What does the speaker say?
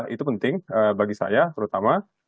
itu penting bagi saya terutama